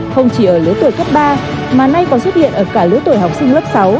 không chỉ ở lứa tuổi cấp ba mà nay còn xuất hiện ở cả lứa tuổi học sinh lớp sáu